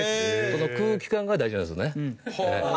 その空気感が大事なんですよね。